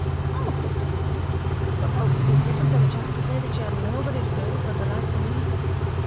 I'm a good slob, but folks would be tickled for the chance to say that you had nobody to go with but the likes av me.